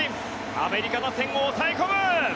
アメリカ打線を抑え込む。